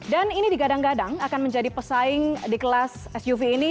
dan ini digadang gadang akan menjadi pesaing di kelas suv ini